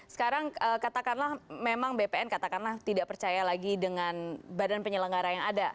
sekarang katakanlah memang bpn katakanlah tidak percaya lagi dengan badan penyelenggara yang ada